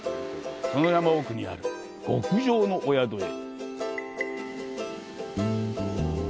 その山奥にある、極上のお宿へ。